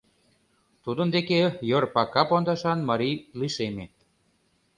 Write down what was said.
Тудын деке йорпака пондашан марий лишеме.